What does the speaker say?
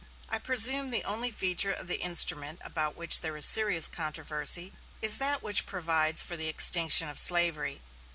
I presume the only feature of the instrument about which there is serious controversy is that which provides for the extinction of slavery.